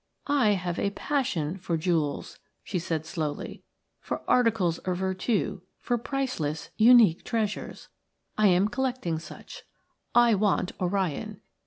"I have a passion for jewels," she said, slowly, "for articles of vertu, for priceless, unique treasures. I am collecting such. I want Orion.